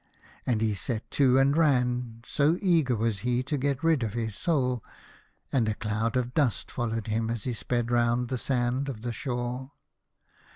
And he set to and ran, so eager was he to get rid of his soul, and a cloud of dust followed him as he sped round the sand of the shore.